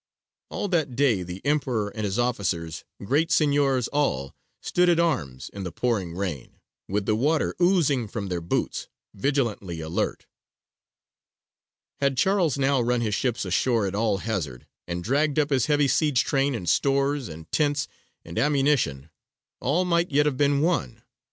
All that day the Emperor and his officers, great signiors all, stood at arms in the pouring rain, with the water oozing from their boots, vigilantly alert. Had Charles now run his ships ashore at all hazard, and dragged up his heavy siege train and stores and tents and ammunition, all might yet have been won.